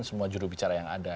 semua judul bicara yang ada